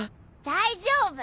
大丈夫！